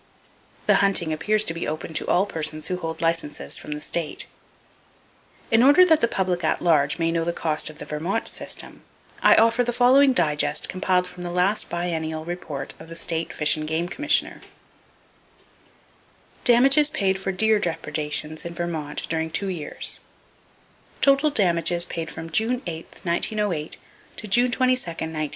The hunting appears to be open to all persons who hold licenses from the state. In order that the public at large may know the cost of the Vermont system, I offer the following digest compiled from the last biennial report of the State Fish and Game Commissioner: Damages Paid For Deer Depredations In Vermont During Two Years Total damages paid from June 8, 1908, to June 22, 1910 $4,865.